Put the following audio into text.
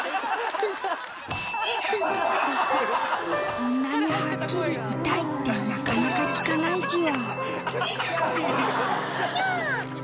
こんなにハッキリ「痛い」ってなかなか聞かないじわ。